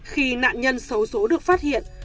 khi nạn nhân xấu xố được phát hiện